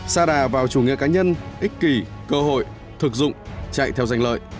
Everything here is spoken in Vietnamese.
xa đà vào chủ nghĩa cá nhân ích kỳ cơ hội thực dụng chạy theo danh lợi